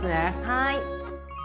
はい！